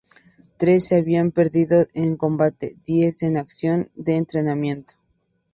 Tres se habían perdido en combate, diez en accidentes de entrenamiento.